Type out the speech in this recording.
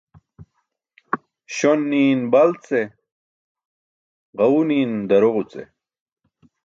Śon ni̇i̇n bal ce, ġaẏu ni̇i̇n daroġo ce.